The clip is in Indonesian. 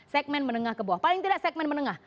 segmen menengah ke bawah paling tidak segmen menengah